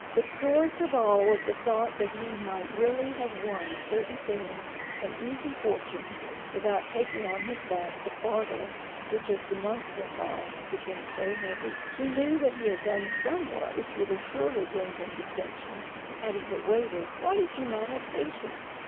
But sorest of all was the thought that he might really have won a certain fame, an easy fortune, without taking on his back the fardel which, as the months went by, became so heavy. He knew that he had done some work which would have surely gained him distinction, had he but waited. Why did you not have patience